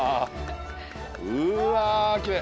うわきれい。